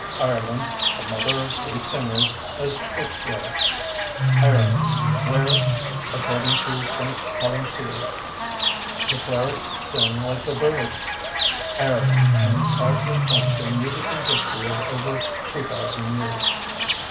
Ireland, "the mother of sweet singers", as Pope writes; Ireland, "where", according to St. Columcille, "the clerics sing like the birds"; Ireland can proudly point to a musical history of over 2,000 years.